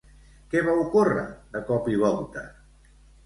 Què va ocórrer de cop i volta?